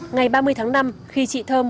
ngày ba mươi tháng năm khi chị thơm